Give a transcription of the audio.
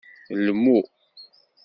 Lmu.